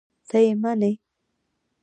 ته یې منې؟!